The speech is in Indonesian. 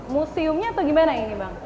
museumnya atau gimana ini bang